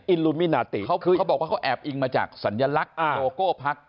ลูมินาติเขาคือเขาบอกว่าเขาแอบอิงมาจากสัญลักษณ์โลโก้พัก